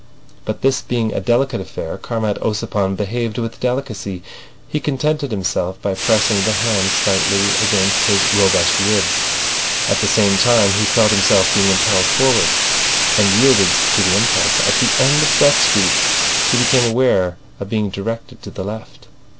But this being a delicate affair, Comrade Ossipon behaved with delicacy. He contented himself by pressing the hand slightly against his robust ribs. At the same time he felt himself being impelled forward, and yielded to the impulse. At the end of Brett Street he became aware of being directed to the left.